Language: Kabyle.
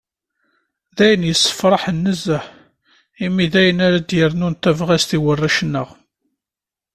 D ayen yessefraḥen nezzeh, imi d ayen ara d-yernun tabɣest i warrac-nneɣ.